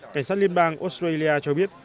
cảnh sát liên bang australia cho biết